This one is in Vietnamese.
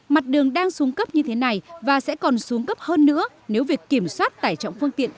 mặt đường đang xuống cấp như thế này và sẽ còn xuống cấp hơn nữa nếu việc kiểm soát tải trọng phương tiện